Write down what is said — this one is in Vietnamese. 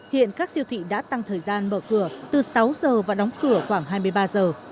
hiện các siêu thị đã tăng thời gian mở cửa từ sáu giờ và đóng cửa khoảng hai mươi ba giờ